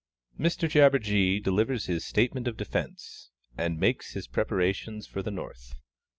XXIII _Mr Jabberjee delivers his Statement of Defence, and makes his preparations for the North.